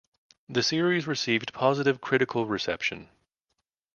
The series received positive critical reception.